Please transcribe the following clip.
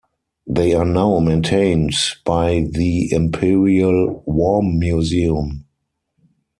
They are now maintained by the Imperial War Museum.